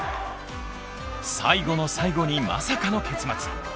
最後の最後にまさかの結末。